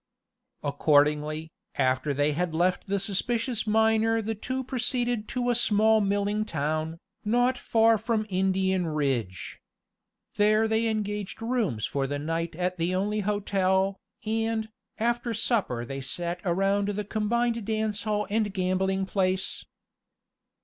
Accordingly, after they had left the suspicious miner the two proceeded to a small milling town, not far from Indian Ridge. There they engaged rooms for the night at the only hotel, and, after supper they sat around the combined dance hall and gambling place.